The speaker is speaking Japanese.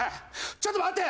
ちょっと待って！